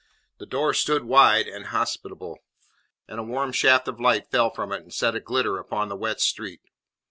The door stood wide and hospitable, and a warm shaft of light fell from it and set a glitter upon the wet street.